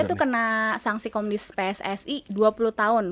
itu kena sanksi komdis pssi dua puluh tahun